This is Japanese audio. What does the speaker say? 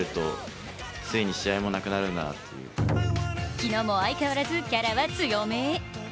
昨日も相変わらずキャラは強め。